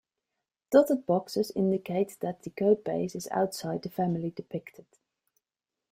Dotted boxes indicate that the codebase is outside the family depicted.